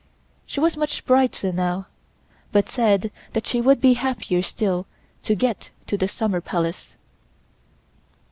She was much brighter now, but said that she would be happier still to get to the Summer Palace.